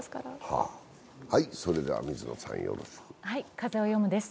「風をよむ」です。